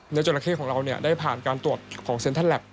เนื้อจราเข้ของเราได้ผ่านการตรวจของเซ็นเตอร์แหลป